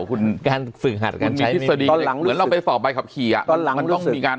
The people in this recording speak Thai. คุณมีทฤษฎีเหมือนเราไปสอบใบขับขี่อะ